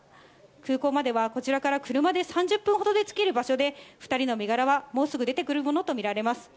空港まではこちらから車で３０分ほどでつける場所で、２人の身柄はもうすぐ出てくるものとみられます。